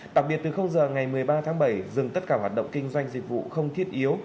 đặc biệt từ giờ ngày một mươi ba tháng bảy dừng tất cả hoạt động kinh doanh dịch vụ không thiết yếu